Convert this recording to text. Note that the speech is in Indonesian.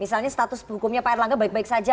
misalnya status hukumnya pak erlangga baik baik saja